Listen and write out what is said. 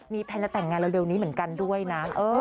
แพลนจะแต่งงานเร็วนี้เหมือนกันด้วยนะ